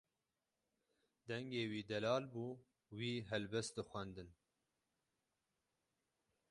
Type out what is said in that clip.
Dengê wî delal bû, wî helbest dixwandin.